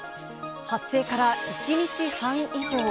発生から１日半以上。